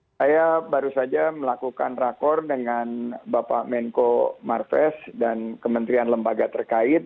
saya baru saja melakukan rakor dengan bapak menko marves dan kementerian lembaga terkait